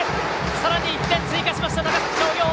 さらに１点追加しました長崎商業！